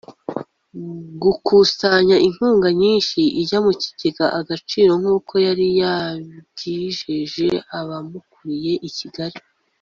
-gukusanya inkunga nyinshi ijya mu kigega agaciro nk’uko yari yabyijeje abamukuriye i Kigali